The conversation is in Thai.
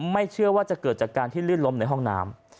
ไม่เชื่อว่าจะเกิดจากการที่ลื่นล้มในห้องน้ำ